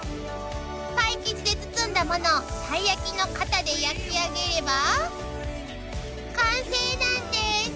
［パイ生地で包んだものをたい焼きの型で焼きあげれば完成なんです］